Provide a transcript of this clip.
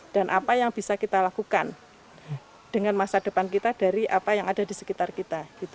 dan apa yang bisa kita lakukan dengan masa depan kita dari apa yang ada di sekitar kita